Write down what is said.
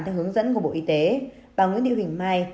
theo hướng dẫn của bộ y tế bà nguyễn điêu huỳnh mai